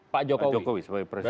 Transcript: pak jokowi sebagai presiden